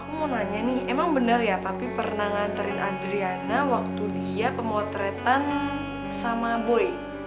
aku mau nanya nih emang bener ya tapi pernah nganterin adriana waktu dia pemotretan sama boy